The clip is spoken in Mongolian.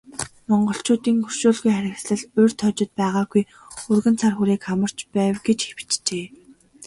Монголчуудын өршөөлгүй харгислал урьд хожид байгаагүй өргөн цар хүрээг хамарч байв гэж бичжээ.